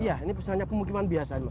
iya ini misalnya pemukiman biasa